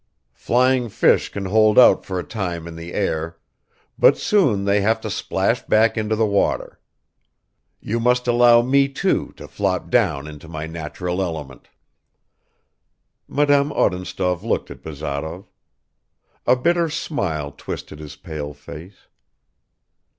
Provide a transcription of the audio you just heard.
Flying fish can hold out for a time in the air, but soon they have to splash back into the water; you must allow me too to flop down into my natural element." Madame Odintsov looked at Bazarov. A bitter smile twisted his pale face.